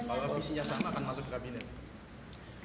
apa misinya sama akan masuk kabinet